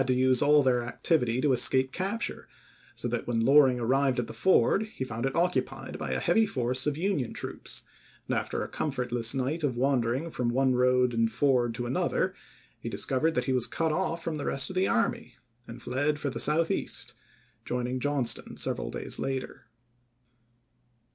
to use all their activity to escape capture, so that, when Loring arrived at the ford, he found it occu pied by a heavy force of Union troops, and after a comfortless night of wandering from one road and ford to another he discovered that he was cut off from the rest of the army and fled for the South east, joining Johnston several days later.